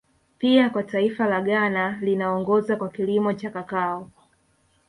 Pia kwa taifa la Ghana linaongoza kwa kilimo cha Kakao